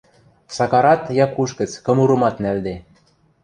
Сакарат Якуш гӹц кымурымат нӓлде.